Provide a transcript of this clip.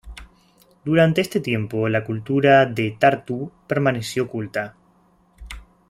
Durante este tiempo la cultura de Tartu permaneció oculta.